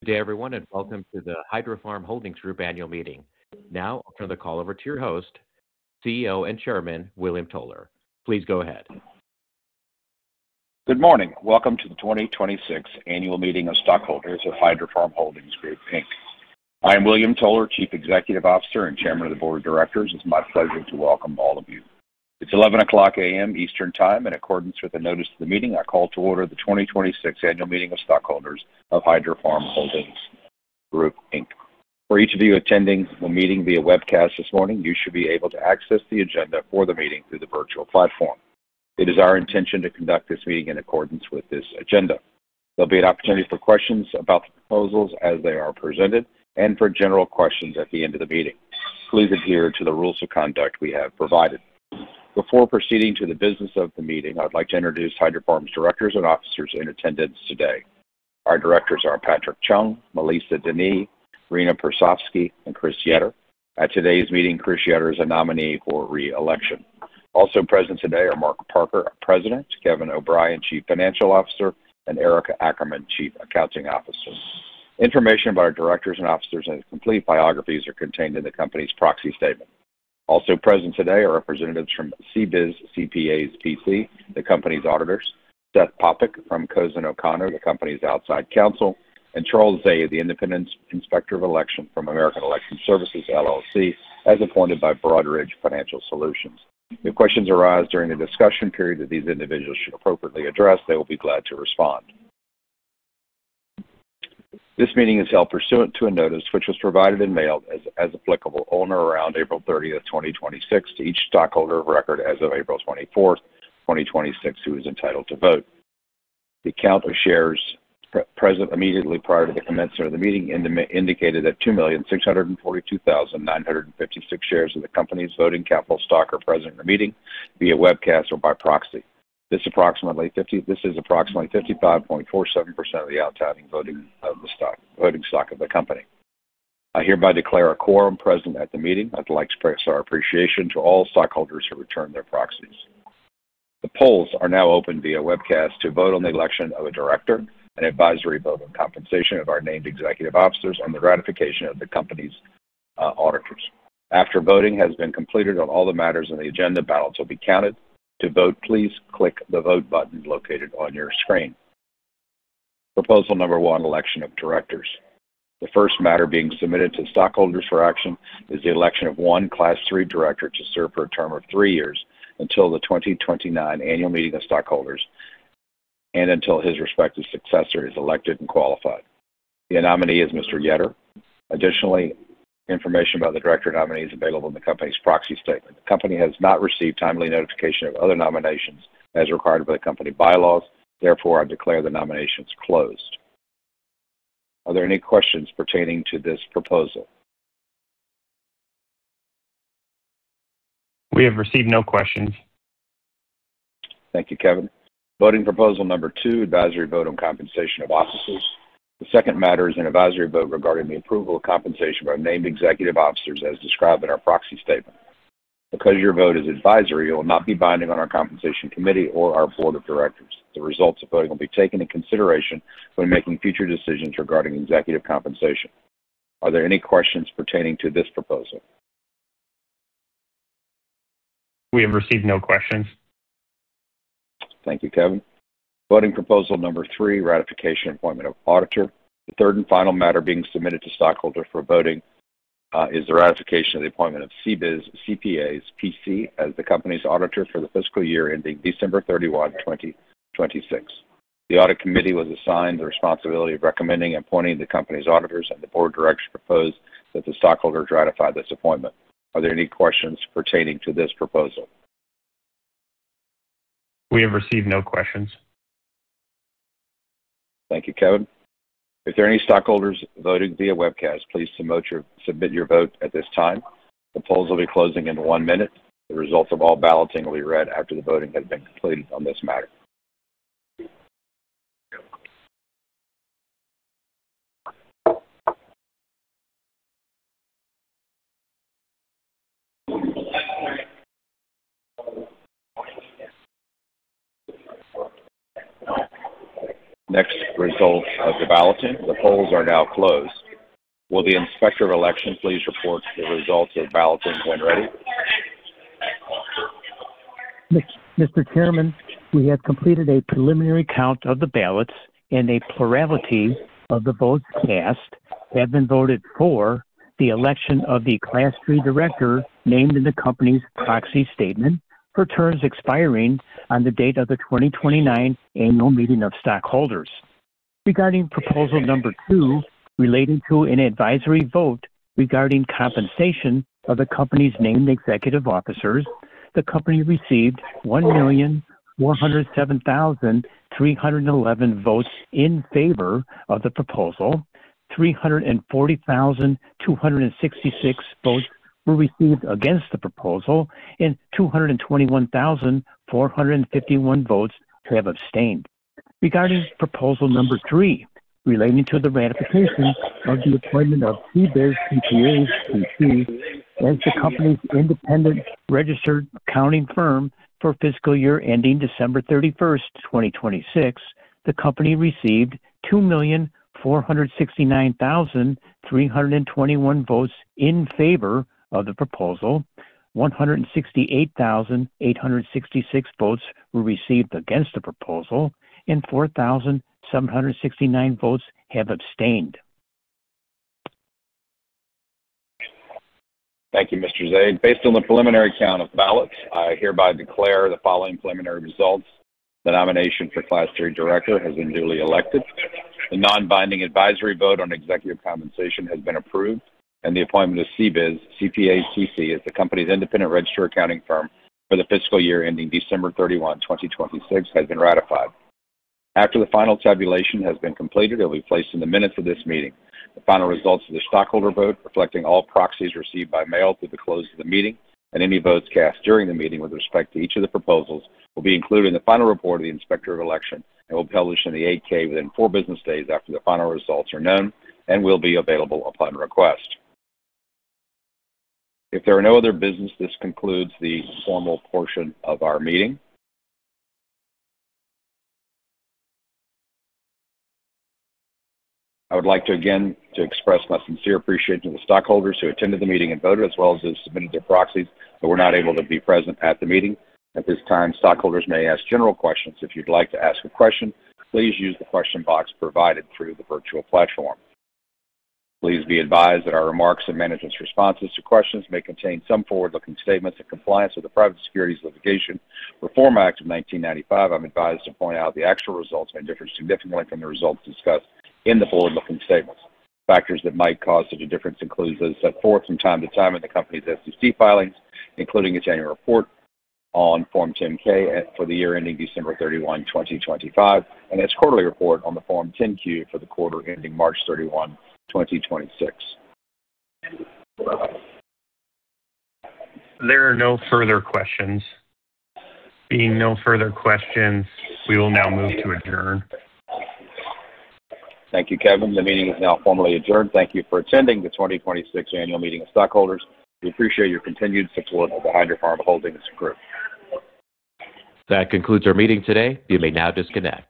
Good day everyone, welcome to the Hydrofarm Holdings Group annual meeting. Now I'll turn the call over to your host, CEO, and Chairman, Bill Toler. Please go ahead. Good morning. Welcome to the 2026 annual meeting of stockholders of Hydrofarm Holdings Group, Inc. I am William Toler, Chief Executive Officer and Chairman of the Board of Directors. It's my pleasure to welcome all of you. It's 11:00 A.M. Eastern Time. In accordance with the notice of the meeting, I call to order the 2026 annual meeting of stockholders of Hydrofarm Holdings Group, Inc. For each of you attending the meeting via webcast this morning, you should be able to access the agenda for the meeting through the virtual platform. It is our intention to conduct this meeting in accordance with this agenda. There'll be an opportunity for questions about the proposals as they are presented and for general questions at the end of the meeting. Please adhere to the rules of conduct we have provided. Before proceeding to the business of the meeting, I'd like to introduce Hydrofarm's directors and officers in attendance today. Our directors are Patrick Chung, Melisa Denis, Renah Persofsky, and Chris Yetter. At today's meeting, Chris Yetter is a nominee for re-election. Also present today are Mark Parker, our President, Kevin O'Brien, Chief Financial Officer, and Erica Ackerman, Chief Accounting Officer. Information about our directors and officers and complete biographies are contained in the company's proxy statement. Also present today are representatives from CBIZ CPAs, P.C., the company's auditors, Seth Popick from Cozen O'Connor, the company's outside counsel, and Charles Zade, the Independent Inspector of Election from American Election Services, LLC, as appointed by Broadridge Financial Solutions. If questions arise during the discussion period that these individuals should appropriately address, they will be glad to respond. This meeting is held pursuant to a notice which was provided and mailed as applicable on or around April 30th, 2026 to each stockholder of record as of April 24th, 2026, who is entitled to vote. The count of shares present immediately prior to the commencement of the meeting indicated that 2,642,956 shares of the company's voting capital stock are present in the meeting via webcast or by proxy. This is approximately 55.47% of the outstanding voting stock of the company. I hereby declare a quorum present at the meeting. I'd like to express our appreciation to all stockholders who returned their proxies. The polls are now open via webcast to vote on the election of a director, an advisory vote on compensation of our named executive officers, and the ratification of the company's auditors. After voting has been completed on all the matters on the agenda, ballots will be counted. To vote, please click the Vote button located on your screen. Proposal number one, election of directors. The first matter being submitted to stockholders for action is the election of one Class 3 director to serve for a term of three years, until the 2029 annual meeting of stockholders and until his respective successor is elected and qualified. The nominee is Mr. Yetter. Additionally, information about the director nominee is available in the company's proxy statement. The company has not received timely notification of other nominations as required by the company bylaws. Therefore, I declare the nominations closed. Are there any questions pertaining to this proposal? We have received no questions. Thank you, Kevin. Voting proposal number two, advisory vote on compensation of officers. The second matter is an advisory vote regarding the approval of compensation by named executive officers as described in our proxy statement. Because your vote is advisory, it will not be binding on our compensation committee or our board of directors. The results of voting will be taken in consideration when making future decisions regarding executive compensation. Are there any questions pertaining to this proposal? We have received no questions. Thank you, Kevin. Voting proposal number three, ratification appointment of auditor. The third and final matter being submitted to stockholders for voting is the ratification of the appointment of CBIZ CPAs, P.C. as the company's auditor for the fiscal year ending December 31, 2026. The audit committee was assigned the responsibility of recommending appointing the company's auditors. The board of directors proposed that the stockholders ratify this appointment. Are there any questions pertaining to this proposal? We have received no questions. Thank you, Kevin. If there are any stockholders voting via webcast, please submit your vote at this time. The polls will be closing in one minute. The results of all balloting will be read after the voting has been completed on this matter. Next, results of the balloting. The polls are now closed. Will the Inspector of Election please report the results of balloting when ready? Mr. Chairman, we have completed a preliminary count of the ballots. A plurality of the votes cast have been voted for the election of the Class III director named in the company's proxy statement for terms expiring on the date of the 2029 annual meeting of stockholders. Regarding proposal number two, relating to an advisory vote regarding compensation of the company's named executive officers, the company received 1,407,311 votes in favor of the proposal, 340,266 votes were received against the proposal, and 221,451 votes have abstained. Regarding proposal number three, relating to the ratification of the appointment of CBIZ CPAs, P.C. as the company's independent registered accounting firm for fiscal year ending December 31, 2026, the company received 2,469,321 votes in favor of the proposal, 168,866 votes were received against the proposal, and 4,769 votes have abstained. Thank you, Mr. Zade. Based on the preliminary count of ballots, I hereby declare the following preliminary results. The nomination for class 3 director has been duly elected. The non-binding advisory vote on executive compensation has been approved, and the appointment of CBIZ CPAs, P.C. as the company's independent registered accounting firm for the fiscal year ending December 31st, 2026, has been ratified. After the final tabulation has been completed, it will be placed in the minutes of this meeting. The final results of the stockholder vote, reflecting all proxies received by mail through the close of the meeting and any votes cast during the meeting with respect to each of the proposals, will be included in the final report of the Inspector of Election and will be published in the 8-K within four business days after the final results are known and will be available upon request. If there are no other business, this concludes the formal portion of our meeting. I would like to, again, express my sincere appreciation to the stockholders who attended the meeting and voted, as well as those who submitted their proxies but were not able to be present at the meeting. At this time, stockholders may ask general questions. If you'd like to ask a question, please use the question box provided through the virtual platform. Please be advised that our remarks and management's responses to questions may contain some forward-looking statements in compliance with the Private Securities Litigation Reform Act of 1995. I am advised to point out the actual results may differ significantly from the results discussed in the forward-looking statements. Factors that might cause such a difference includes those set forth from time to time in the company's SEC filings, including its annual report on Form 10-K for the year ending December 31, 2025, and its quarterly report on the Form 10-Q for the quarter ending March 31, 2026. There are no further questions. Being no further questions, we will now move to adjourn. Thank you, Kevin. The meeting is now formally adjourned. Thank you for attending the 2026 annual meeting of stockholders. We appreciate your continued support of Hydrofarm Holdings Group. That concludes our meeting today. You may now disconnect.